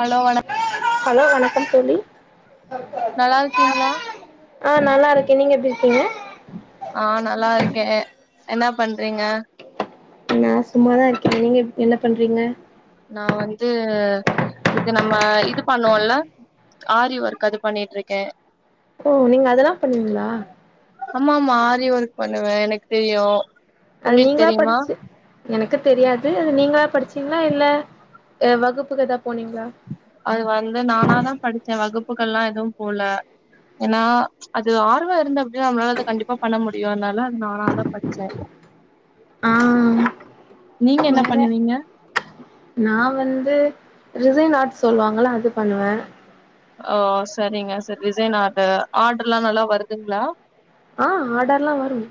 hello வணக் hello வணக்கம் தோழி நல்லாருக்கீங்ளா ஆ நல்லாருக்கே நீங்க எப்டி இருக்கீங்க ஆ நல்லாருக்கே என்ன பண்றீங்க நா சும்மாதா இருக்கே நீங்கப் என்ன பண்றீங்க நா வந்து இது நம்ம இது பண்ணோல்ல ஆரி ஒர்க் அது பண்ணிட்ருக்கே ஓ நீங்க அதெல்லா பண்வீங்களா ஆமாம்மா ஆரி ஒர்க் பண்ணுவே எனக்கு தெரியு அது உங்களுக்கு நீங்களா தெரியுமா படிச்சு எனக்கு தெரியாது அது நீங்களா படிச்சீங்ளா இல்ல அ வகுப்புக்கு எதா போனீங்ளா அது வந்து நானா தா படிச்சே வகுப்புக்கள்லா எது போல ஏன்னா அது ஆர்வ இருந்தா ப்படி நம்ளால அத கண்டிப்பா பண்ண முடியு அதனால அது நானாதா படிச்சே ஆ நீங்க என்ன வேற பண்ணுவீங்க நா வந்து ரிசைன் ஆர்ட்ஸ் சொல்வாங்கள்ள அது பண்ணுவே ஓ சரிங்க சரி ரிசைன் ஆர்ட் ஆர்ட்ர்லா நல்லா வருதுங்ளா ஆ ஆடர்லா வரும்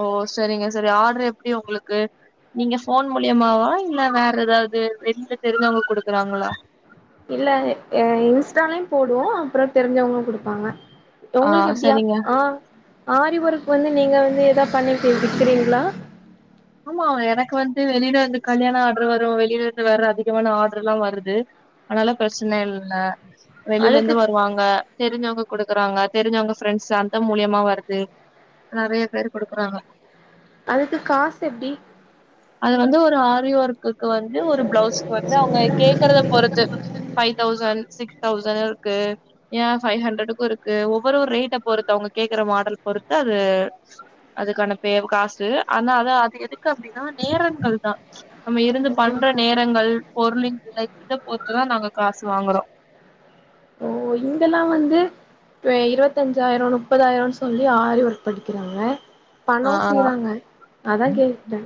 ஓ சரிங்க சரி ஆட்ரு எப்டி உங்களுக்கு நீங்க ஃபோன் மூலியமாவா இல்ல வேற ஏதாவது வெளில தெரிஞ்சவங்க குடுக்கறாங்களா இல்ல என் இன்ஸ்டாலயு போடுவோ அப்றோ தெரிஞ்சவங்களும் குடுப்பாங்க ஆ உங்களுக்கு எப்படியா சரிங்க ஆ ஆரி ஒர்க் வந்து நீங்க வந்து ஏதா பண்ணி விக்கிறீங்களா ஆமா எனக்கு வந்து வெளிலயிருந்து கல்யாண ஆட்ரு வரும் வெளில இருந்து வேற அதிகமான ஆட்ரு எல்லா வருது அதனால பிரச்சனை இல்ல வெளில அதுக்கு இருந்து வருவாங்க தெரிஞ்சவங்க குடுக்கறாங்க தெரிஞ்சவங்க ஃப்ரெண்ட்ஸ் அந்த மூலியமா வருது நறைய பேர் குடுக்குறாங்க அதுக்கு காசு எப்டி அது வந்து ஒரு ஆரி ஒர்க்கு வந்து ஒரு பிளவுஸ்க்கு வந்து அவங்க கேக்குறத பொறுத்து ஃபைவ் தௌசண் சிக்ஸ் தௌசண் இருக்கு ஏன் ஃபைவ் ஹண்ட்ரடுக்கு இருக்கு ஒவ்வொரு ஒரு ரேட்ட பொறுத்து அவங்க கேக்குற மாடல் பொறுத்து அது அதுக்கான பே காஸ்ட்டு ஆனா அதா எதுக்கு அப்படின்னா நேரங்கள் தா நம்ம இருந்து பண்ற நேரங்கள் பொருளின் விலை இத பொறுத்துதா நாங்க காசு வாங்குறோ இங்கெல்லா வந்து ப்பே இருவத்தஞ்சாயிரம் முப்பதாயிரம்னு சொல்லி ஆரி ஒர்க் படிக்கிறாங்க ஆ பணம் செய்றாங்க அதா கேட்டே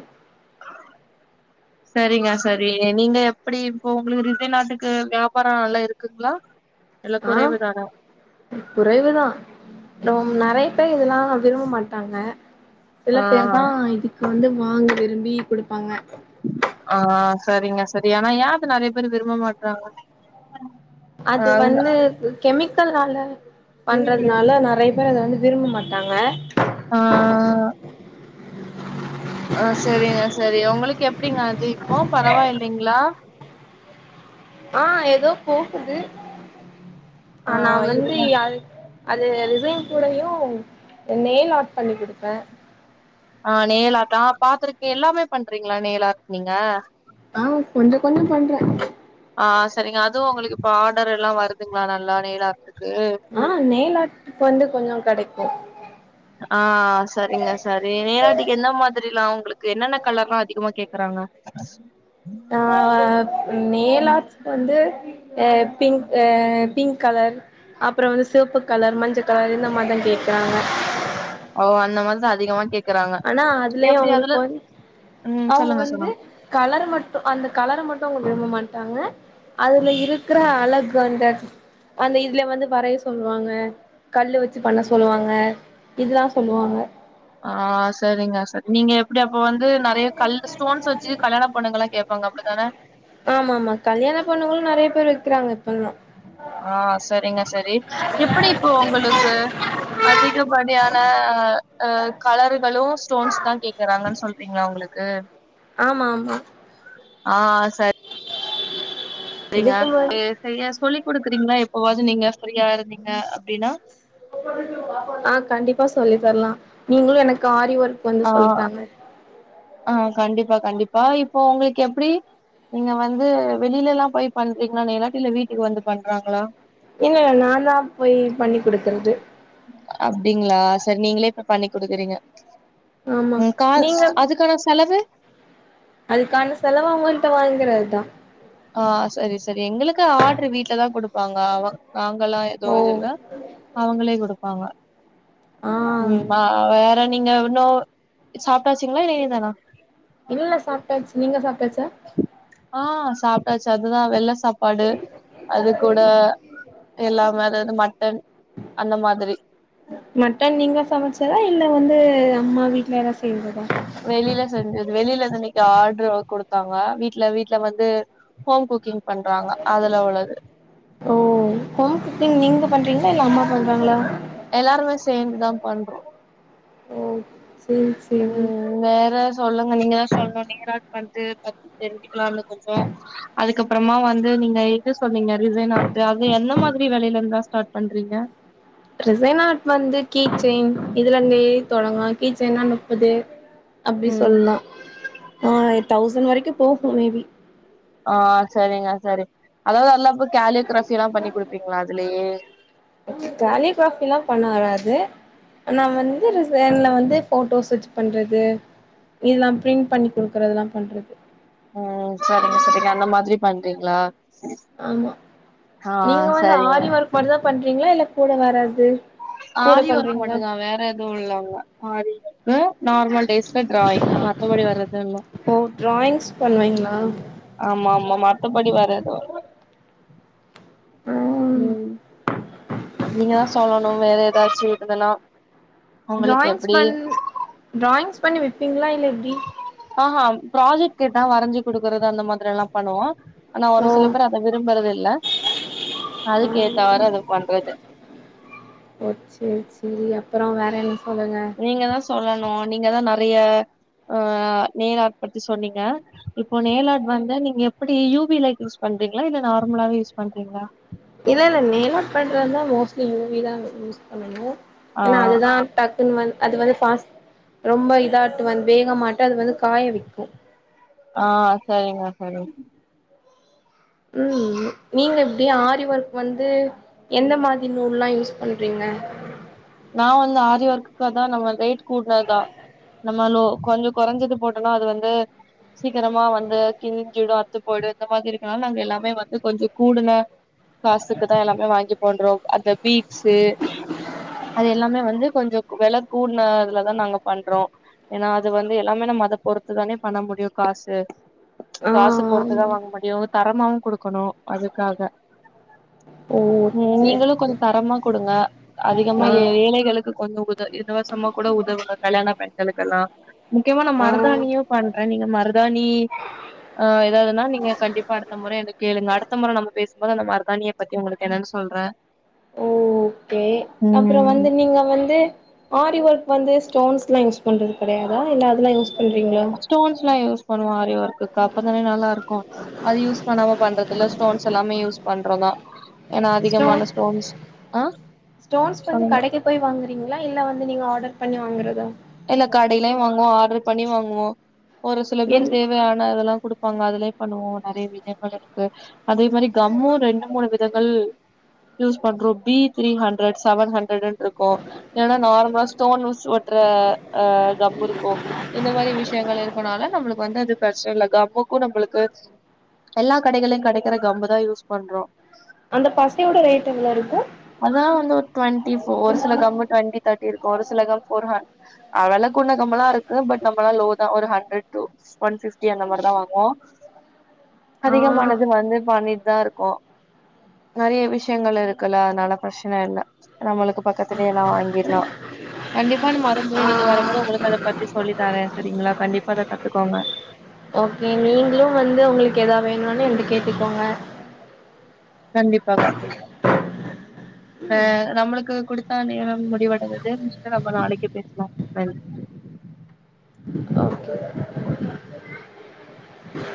[inaudible] சரிங்க சரி நீங்க எப்படி இப்போ உங்களுக்கு ரிசைன் ஆர்டுக்கு வியாபாரம் நல்லா இருக்குங்ளா வில ஆ குறைவுதான குறைவுதா நோ நெறைய பேர் இதெல்லா விரும்ப மாட்டாங்க சில ஆ பேர்தா இதுக்கு வந்து வாங்கி விரும்பி குடுப்பாங்க ஆ சரிங்க சரி ஆனா ஏன் இது நெறைய பேர் விரும்ப மாட்றாங்க ஆ அது வந்து கெமிக்கல்னால தெரியலையே பண்றதுனால நறைய பேரு அதை வந்து விரும்ப மாட்டாங்க ஆ அ சரிங்க சரி உங்களுக்கு எப்படிங்க அது இப்போ பரவாயில்லைங்ளா ஆ ஏதோ போகுது ஆ நா வந்து யாது அது ரிசைம் கூடயு நெயில் ஆட் பண்ணி குடுப்பே ஆ நெயில் ஆர்ட்டா பாத்துருக்கே எல்லாமே பண்றீங்களா நெயில் ஆர்ட் நீங்க ஆ கொஞ்சோ கொஞ்சோ பண்றே ஆ சரிங்க அதுவும் உங்களுக்கு இப்ப ஆடர் எல்லா வருதுங்களா நல்லா நெயில் ஆர்ட்டுக்கு ஆ நெயில் ஆர்ட்டுக்கு வந்து கொஞ்சோ கிடைக்கும் ஆ சரிங்க சரி நெயில் ஆர்ட்டுக்கு என்னா மாதிரி எல்லா உங்களுக்கு என்னென்ன கலர்ல்லா அதிகமா கேக்கறாங்க காசு அ நெயில் ஆர்ட்ஸ்க்கு வந்து ஏ பிங்க் அ பிங்க் கலர் அப்புற வந்து சிவப்பு கலர் மஞ்சக் கலர் இந்த மாறிதா கேக்கறாங்க ஓ அந்த மனுசன் அதிகமா கேக் ஆனா அதுலயு அவங்களுக்கு வந் ம் அவுங்க சொல்லுங்க வந்து சொல்லுங்க கலர் மட்டு அந்த கலர மட்டும் அவுங்க விரும்ப மாட்டாங்க அதுல இருக்குற அழகு அந்த அந்த இதுல வந்து வரைய சொல்லுவாங்க கல்லு வச்சு பண்ண சொல்லுவாங்க இதுதா சொல்லுவாங்க ஆ சரிங்க சரி நீங்க எப்டி அப்ப வந்து நெறைய கல்லு ஸ்டோன்ஸ் வச்சி கல்யாணப் பொண்ணுங்கல்லா கேப் பாங்க அப்டித்தான ஆமா ஆமா கல்யாண பொண்ணுங்களு நெறைய பேர் வைக்கிறாங்க இப்பல்லா ஆ சரிங்க சரி எப்டி இப்போ உங்களுக்கு அதிகப்படியான ஆ கலர்களு ஸ்டோன்ஸ்தா கேக்குறாங்கன்னு சொல்றீங்களா உங்களு க்கு ஆமா ஆமா ஆ ச ரிங்க இதுக்கு முன்னாடி ஏ சரியா சொல்லிக் குடுக்குறீங்களா எப்பவாது நீங்க ஃப்ரீயா இருந்தீங்க அப்டின்னா ஆ கண்டிப்பா சொல்லி தரலா நீங்களு எனக்கு ஆரி ஒர்க் வந்து ஆ சொல்லித்தாங்க ஆ கண்டிப்பா கண்டிப்பா இப்போ உங்களுக்கு எப்டி நீங்க வந்து வெளில எல்லா போய் பண்றீங்களா இல்லாட்டி இல்ல வீட்டுக்கு வந்து பண்றாங்களா இல்ல இல்ல நா தா போய் பண்ணி குடுக்குறது அப்டிங்களா சரி நீங்களே இப்ப பண்ணி குடுக்குறீங்க ஆமா ம் காசு நீங்க இதுக்கான செலவு அதுக்கான செலவ அவுங்கள்ட்ட வாங்கிறது தா ஆ சரி சரி எங்களுக்கு ஆர்டரு வீட்ல தா குடுப்பாங்க அவ வாங்கல்லா ஓ எதுவு இது இல்ல அவுங்களே குடுப்பாங்க ஆ ம் ஆ வேற நீங்க இன்னு சாப்ட்டாச்சிங்களா இல்ல இனிதானா இல்ல சாப்ட்டாச்சி நீங்க சாப்ட்டாச்சா ஆ சாப்ட்டாச்சி அதுதா வெள்ள சாப் பாடு அது கூட எல்லாமே அதாவது மட்டன் அந்த மாதிரி மட்டன் நீங்க சமைச்சதா இல்ல வந்து அம்மா வீட்ல எதா செஞ்சதா வெளில செஞ்சது வெளில இருந்து இன்னக்கி ஆர்டரு குடுத்தாங்க வீட்ல வீட்ல வந்து ஹோம் குக்கிங் பண்றாங்க அதுல உள்ளது ஓ ஹோம் குக்கிங் நீங்க பண்றீங்களா இல்ல அம்மா பண்றாங்களா எல்லாருமே சேந்துதா பண்றோ ஓ சேரி சேரி நீங்க வேற சொல்லுங்க நீங்கதா சொல்லுனு நீங்க ஏதாவது பண்ட்டு பத்தி தெரிஞ்சிக்கலான்னு கொஞ்சோ அதுக்கப்பறமா வந்து நீங்க இது சொன்னீங்க ரிசைன் ஆர்ட் அது எந்த மாதிரி வெலைல இருந்தா ஸ்டார்ட் பண்றீங்க ரிசைன் ஆர்ட் வந்து கீ செயின் இதுல இருந்தே தொடங்கு கீ செயின்னா நுப்பது அப்டி ம் சொல்லலா ஆ தௌசண்ட் வரைக்கு போகு மேபி ஆ சரிங்க சரி அதாவது அதுல இப்ப காலிகிராஃபி எல்லா பண்ணி குடுப்பீங்களா அதுலயே காலிகிராஃபிலா பண்ண வராது ஆனா வந்து ரிசைன்ல வந்து ஃபோட்டோஸ் வச்சிப் பண்றது இதெல்லா பிர்ண்ட் பண்ணி குடுக்குறதுலா பண்றது ம் சரிங்க சரிங்க அந்த மாதிரி பண்றீங்களா ஆமா ஆ நீங்க வந்து சரிங்க ஆரி ஒர்க் மாரிதா பண்றீங்களா இல்ல கூட வேற எது கூட ஆரி ஒர்க் பண்றீங்களா மட்டுந்தா வேற எதுவு இல்ல இல்ல ஆரி ஒர்க் நார்மல் டேஸ்ல டிராயிங் மத்தபடி வேற எதுவு இல்ல ஓ டிராயிங்ஸ் பண்ணுவீங்களா ஆமா ஆமா மத்தபடி வேற எதுவு இல்ல ம் நீங்கதா சொல்லணு வேற ஏதாச்சி இருந்தன்னா உங்களுக்கு டிராயிங்ஸ் எப்டி பண் டிராயிங்ஸ் பண்ணி விப்பீங்களா இல்ல எப்டி ஆ ஹ ப்ராஜெக்ட் கேட்ட வரைஞ்சி குடுக்குறது அந்த மாரிலா பண்ணுவோ ஆனா ஒரு ஓ சில பேர் அத விரும்புறது இல்ல ஆ அதுக்கேத்த வேற அது பண்றது ஓ சேரி சேரி அப்பறோ வேற என்ன சொல்லுங்க நீங்க தா சொல்லணு நீங்க தா நெறைய ஆ நெயில் ஆர்ட் பத்தி சொன்னீங்க இப்போ நைல் ஆர்ட் வந்து நீங்க எப்டி யூபி லைக் யூஸ் பண்றீங்களா இல்ல நார்மலாவே யூஸ் பண்றீங்களா இல்ல இல்ல நெயில் ஆர்ட் பண்றதுனா மோஸ்ட்லி யூவிதா யூஸ் பண்ணணு ஆ ஏனா அதுதா டக் குன் வந் அது வந்து ஃபாஸ்ட் ரொம்ப இதாட்டு வந்து வேகமாட்ட அது வந்து காய வக் ஆ செரிங்க செரி ம் நீங்க எப்டி ஆரி ஒர்க் வந்து எந்த மாரி நூல்லா யூஸ் பண்றீங்க நா வந்து ஆரி ஓர்க்க தா நம்ம ரேட் கூட்னதுதா நம்ம நூ கொஞ்ச கொறஞ்சது போட்டோனா அது வந்து சீக்கிரமா வந்து கிழிஞ்சிடு அத்து போயிடு இந்த மாதிரி இருக்கனால நாங்க எல்லாமே வந்து கொஞ்சோ கூடுன காசுக்கு தா எல்லாமே வாங்கி பண்றோ அந்த பீட்ஸ்சு அது எல்லாமே வந்து கொஞ்சோ வெல கூடுனதுலதா நாங்க பண்றோ ஏனா அது வந்து எல்லாமே நம்ம அத பொறுத்துதானே பண்ண முடியு காசு ஆ காசு பொறுத்துதா ஆமா வாங்க முடியு தரமாவு குடுக்கணு அதுக்காக ஓ ம் சேரி நீங்களு கொஞ்சோ சேரி தரமா குடுங்க அதிகமா ஆ ஏ ஏழைகளுக்கு கொஞ்சோ உத இதுவசமா கூட உதவுங்க கல்யாண பெண்களுக்கெல்லா முக்கியமா நா ஆ மருதாணியு பண்றே நீங்க மருதாணி ஆ எதாவதுனா நீங்க கண்டிப்பா அடுத்த மொற என்ட கேளுங்க அடுத்த மொற நம்ம பேசும்போது அந்த மருதானிய பத்தி உங்களுக்கு என்னன்னு சொல்றே ஓ கே அப்பறோ வந்து ம் நீங்க வந்து ஆரி ஒர்க் வந்து ஸ்டோன்ஸ்லா யூஸ் பண்றது கெடையாதா இல்ல அதெல்லா யூஸ் பண்றீங்களா ஸ்டோன்ஸ் ல்லா யூஸ் பண்ணுவோ ஆரி வொர்க்கு அப்பதானே நல்லா இருக்கு அது யூஸ் பண்ணாம பண்றதுல்ல ஸ்டோன்ஸ் எல்லாமே யூஸ் பண்றோ தா ஏனா ஸ்டோன் அதிகமான ஸ்டோன்ஸ் ஆ ஸ்டோன்ஸ் வந்து சொல்லுங்க கடைக்கு போய் வாங்குறீங்களா இல்ல வந்து நீங்க ஆர்டர் பண்ணி வாங்குறதா இல்ல கடைலயு வாங்குவோ ஆர்டர் பண்ணி வாங்குவோ ஒரு சில என் பேர் தேவையான அதெல்லா குடு ப்பாங்க அதுலயே பண்ணுவோ நெறைய விதங்கள் இருக்கு அதே மாரி கம்மு ரெண்டு மூணு விதங்கள் யூஸ் பண்றோ பி த்ரீ ஹண்ட்ரட் செவன் ஹண்ட்ரட்ன்னு இருக்கு இல்லனா நார்மலா ஸ்டோன்ஸ் ஒட்டுற அ கம் இருக்கு இந்த மாரி விசயங்கள் இருக்கனால நம்மளுக்கு வந்து அது பிரெச்சன இல்ல கம்முக்கு நம்மளுக்கு எல்லா கடைகள்லயு கெடைக்கிற கம்மு தா யூஸ் பண்றோ அந்த பசையோட ரேட் எவ்ளோ இருக்கு அதா வந்து ஒரு டுவென்டி ஃபோர் ஒரு சில கம்மு டுவென்டி தேர்ட்டி இருக்கு ஒரு சில கம் ஃபோர் ஹண் ஆ வெல கூட கம்மளா இருக்கு பட் நம்மளா லோதா ஒரு ஹண்ட்ரட் டு ஒன் ஃபிஃப்டி அந்த மாரிதா வாங்குவோ ஆ அதிகமானது வந்து பண்ணிட்டு தா இருக்கோ நெறைய விசயங்கள் இருக்குல அதனால பிரெச்சன இல்ல நம்மளுக்கு பக்கத்திலயே எல்லா வாங்கிற்லா கண்டிப்பா நம்ம அடுத்த முறை ஆ நீங்க வரு போது உங்களுக்கு அத பத்தி சொல்லி தரே செரிங்களா கண்டிப்பா அத கத்துக்கோங்க ஓகே நீங்களு வந்து உங்களுக்கு எதா வேணுனு என்ட கேட்டுக்கோங்க கண்டிப்பா கண்டிப்பா ஆ நம்மளுக்கு குடுத்தா நேரம் முடிவடஞ்சது மிச்ச நம்ம நாளைக்கி பேசலா நன்றி